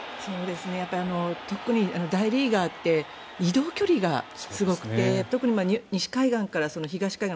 やっぱり特に大リーガーって移動距離がすごくて特に西海岸から東海岸